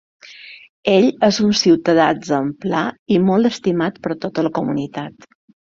Ell és un ciutadà exemplar i molt estimat per tota la comunitat.